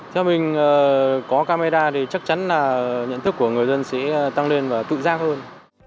theo mình có camera thì chắc chắn là nhận thức của người dân sẽ tăng lên và tự giác hơn